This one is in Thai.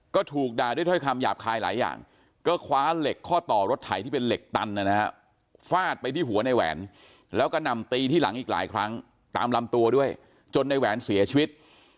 ก็ถูกด่าด้วยถ้อยคำหยาบคายหลายอย่างก็คว้าเหล็กข้อต่อรถไถที่เป็นเหล็กตันนะฮะฟาดไปที่หัวในแหวนแล้วก็นำตีที่หลังอีกหลายครั้งตามลำตัวด้วยจนในแหวนเสียชีวิต